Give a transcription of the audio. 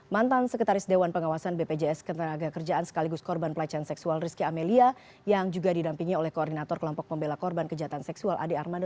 mantan sekretaris dewan pengawasan bpjs ketenaga kerjaan sekaligus korban pelecehan seksual rizky amelia yang juga didampingi oleh koordinator kelompok pembela korban kejahatan seksual ade armada